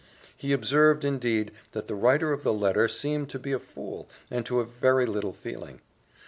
He observed, indeed, that the writer of the letter seemed to be a fool, and to have very little feeling.